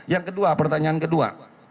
yang kedua pertanyaan kedua